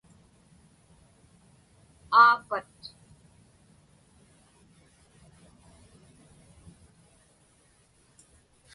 aapat